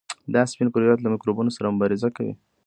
دا سپین کرویات له میکروبونو سره مبارزه کوي.